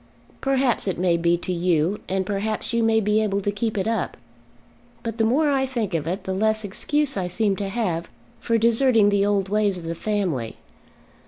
"Perhaps it may be to you, and perhaps you may be able to keep it up. But the more I think of it the less excuse I seem to have for deserting the old ways of the family.